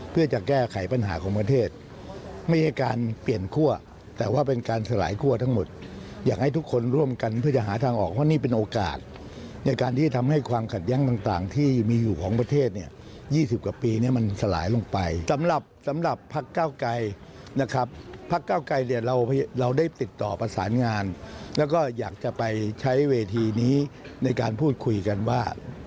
ภาคก้าวไกลเราได้ติดต่อประสานงานแล้วก็อยากจะไปใช้เวทีนี้ในการพูดคุยกันว่า